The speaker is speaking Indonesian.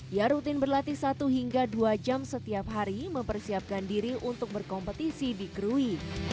ia rutin berlatih satu hingga dua jam setiap hari mempersiapkan diri untuk berkompetisi di krui